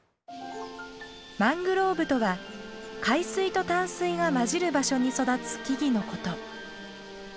マングローブとは海水と淡水が混じる場所に育つ木々のこと。